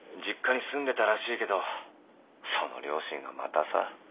実家に住んでたらしいけどその両親がまたさ。